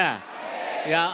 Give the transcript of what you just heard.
bukan negara yang bumbar